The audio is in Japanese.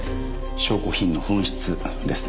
証拠品の紛失ですね。